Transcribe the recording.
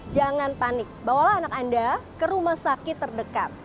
jangan panik bawalah anak anda ke rumah sakit terdekat